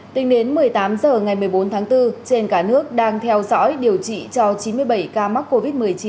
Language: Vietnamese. tính đến một mươi tám h ngày một mươi bốn tháng bốn trên cả nước đang theo dõi điều trị cho chín mươi bảy ca mắc covid một mươi chín